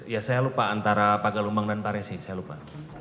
ya saya lupa antara pak galumbang dan pak resi saya lupa